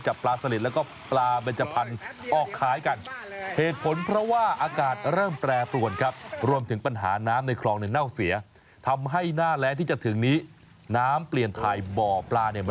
ใช่แหละครับเดี๋ยวขึ้นเดี๋ยวลงเดี๋ยวขึ้นเดี๋ยวลง